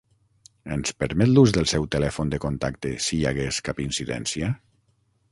Ens permet l'ús del seu telèfon de contacte si hi hagués cap incidència?